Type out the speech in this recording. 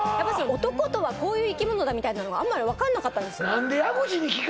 男とはこういう生き物だみたいなのがあんまり分かんなかったんですよ